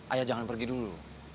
ayah jangan pergi dulu